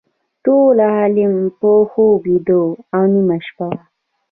ټول عالم په خوب ویده و نیمه شپه وه.